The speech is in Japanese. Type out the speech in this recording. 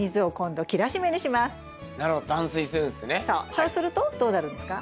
そうするとどうなるんですか？